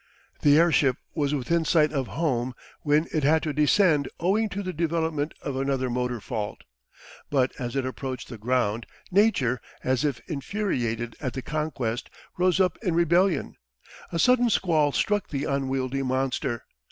The airship was within sight of home when it had to descend owing to the development of another motor fault. But as it approached the ground, Nature, as if infuriated at the conquest, rose up in rebellion. A sudden squall struck the unwieldy monster.